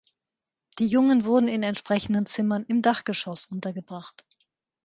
Die Jungen wurden in entsprechenden Zimmern im Dachgeschoss untergebracht.